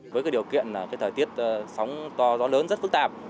với điều kiện thời tiết sóng to gió lớn rất phức tạp